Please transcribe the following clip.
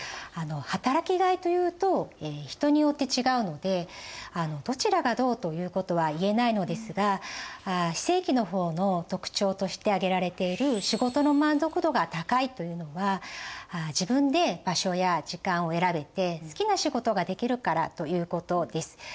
働きがいというと人によって違うのでどちらがどうということは言えないのですが非正規の方の特徴として挙げられている「仕事の満足度が高い」というのは自分で場所や時間を選べて好きな仕事ができるからということです。